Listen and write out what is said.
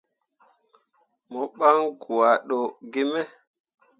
Mo ɓan gwado gi me.